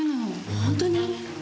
本当に！？